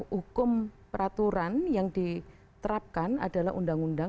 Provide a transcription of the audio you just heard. hukum peraturan yang diterapkan adalah undang undang